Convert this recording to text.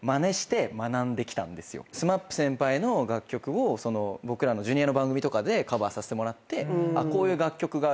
ＳＭＡＰ先輩の楽曲を僕らのＪｒ．の番組とかでカバーさせてもらってこういう楽曲があるんだって。